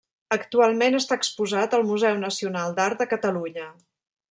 Actualment està exposat al Museu Nacional d'Art de Catalunya.